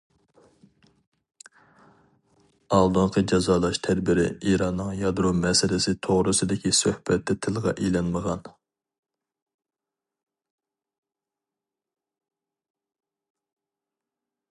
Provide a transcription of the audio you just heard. ئالدىنقى جازالاش تەدبىرى ئىراننىڭ يادرو مەسىلىسى توغرىسىدىكى سۆھبەتتە تىلغا ئېلىنمىغان.